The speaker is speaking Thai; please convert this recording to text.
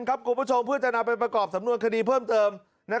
คุณผู้ชมเพื่อจะนำไปประกอบสำนวนคดีเพิ่มเติม